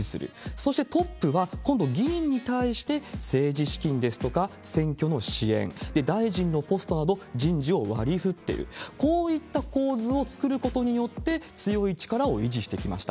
そしてトップは、今度議員に対して、政治資金ですとか、選挙の支援、大臣のポストなど人事を割り振っている、こういった構図を作ることによって、強い力を維持してきました。